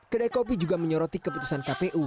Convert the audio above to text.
kedai kopi juga menyoroti keputusan kpu